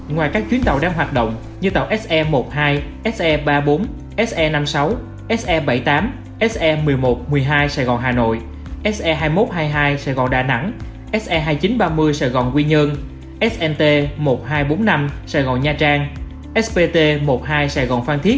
ngoài các chuyến tàu đang hoạt động